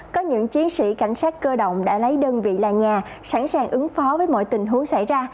có những chiến sĩ cảnh sát cơ động đã lấy đơn vị làng nhà sẵn sàng ứng phó với mọi tình huống xảy ra